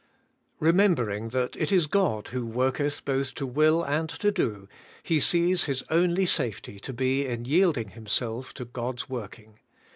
Kemembering that it is God who worketh both to will and to do, he sees his only safety to be in yielding himself to God's working.